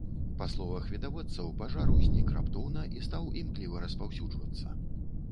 Па словах відавочцаў, пажар узнік раптоўна і стаў імкліва распаўсюджвацца.